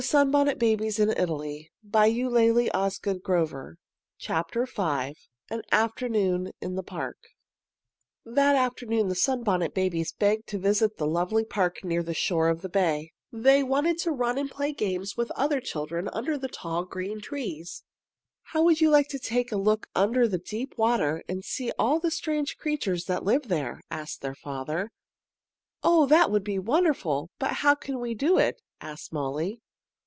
[Illustration: An Afternoon in the Park] AN AFTERNOON IN THE PARK That afternoon the Sunbonnet Babies begged to visit the lovely park near the shore of the bay. They wanted to run and play games with other children under the tall green trees. "How would you like to take a look under the deep water and see all the strange creatures that live there?" asked their father. "Oh, that would be wonderful! But how can we do it?" asked Molly.